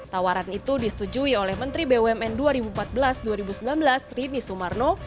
tawaran ini dipercayai oleh bumn dua ribu empat belas dua ribu sembilan belas rini sumarno